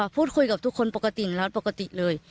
พูดคุยกับทุกคนปกติแล้วปกติเลย